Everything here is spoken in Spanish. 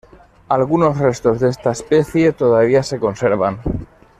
Algunos restos de esta especie todavía se conservan.